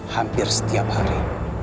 hampir setiap hari